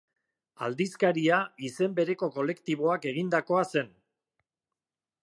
Aldizkaria izen bereko kolektiboak egindakoa zen.